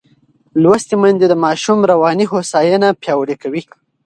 لوستې میندې د ماشوم رواني هوساینه پیاوړې کوي.